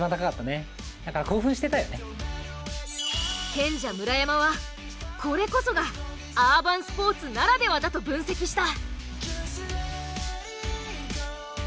賢者・村山はこれこそがアーバンスポーツならではだと分析した。